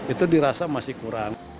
itu dirasa masih kurang